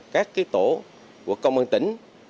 các tổ của công an tỉnh